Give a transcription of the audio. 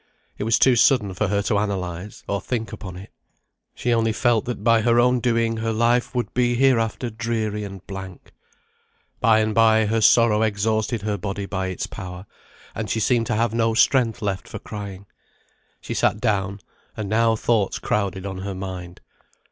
It was too sudden for her to analyse, or think upon it. She only felt that by her own doing her life would be hereafter dreary and blank. By and bye her sorrow exhausted her body by its power, and she seemed to have no strength left for crying. She sat down; and now thoughts crowded on her mind.